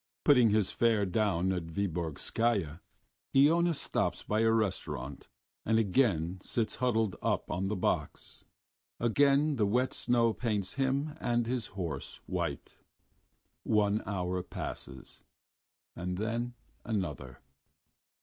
Putting his fare down at Vyborgskaya, Iona stops by a restaurant, and again sits huddled up on the box.... Again the wet snow paints him and his horse white. One hour passes, and then another....